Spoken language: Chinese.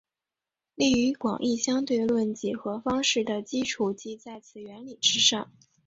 利用广义相对论几何方式的基础即在此原理之上。